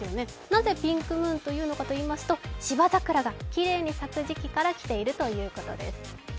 なぜピンクムーンと言うのかといいますと、芝桜がきれいに咲く時期からきているということです。